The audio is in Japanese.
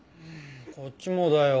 こっちもだよ。